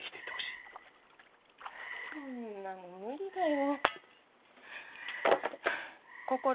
そんなの無理だよ。